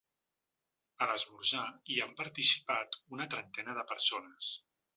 A l’esmorzar hi han participat una trentena de persones.